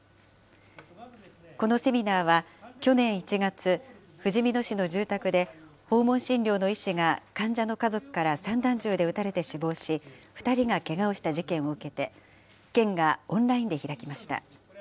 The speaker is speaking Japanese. このセミナーは、去年１月、ふじみ野市の住宅で、訪問診療の医師が患者の家族から散弾銃で撃たれて死亡し、２人がけがをした事件を受けて、県がオンラインで開きました。